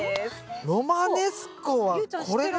ロマネスコはこれなんだ。